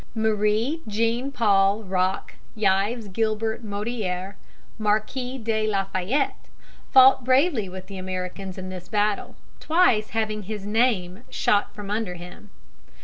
] Marie Jean Paul Roch Yves Gilbert Motier, Marquis de La Fayette, fought bravely with the Americans in this battle, twice having his name shot from under him.